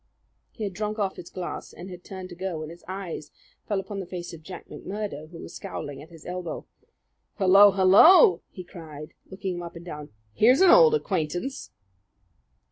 He had drunk off his glass and had turned to go, when his eyes fell upon the face of Jack McMurdo, who was scowling at his elbow. "Hullo! Hullo!" he cried, looking him up and down. "Here's an old acquaintance!"